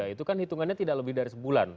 itu kan hitungannya tidak lebih dari sebulan